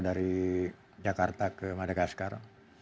dari jakarta ke madagaskar